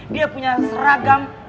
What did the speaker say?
dia punya seragam